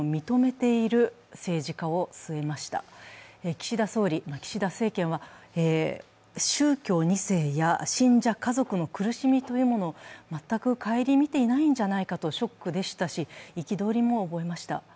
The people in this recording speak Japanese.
岸田総理、岸田政権は、宗教２世や信者家族の苦しみというものを全く顧みていないのではないかとショックでしたし、憤りも覚えました。